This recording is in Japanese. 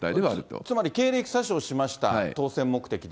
つまり経歴詐称しました、当選目的で。